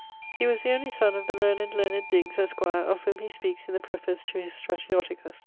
He was the onely sonne of the learned Leonard Digges, esqr, of whom he speakes in the preface to his Stratioticos.